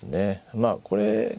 まあこれが。